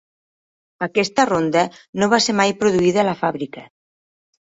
Aquesta ronda no va ser mai produïda a la fàbrica.